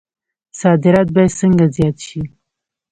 صادرات باید څنګه زیات شي؟